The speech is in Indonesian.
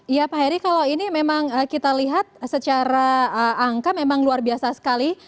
iya pak heri kalau ini memang kita lihat secara angka memang luar biasa sekali